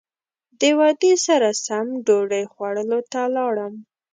د وعدې سره سم ډوډۍ خوړلو ته لاړم.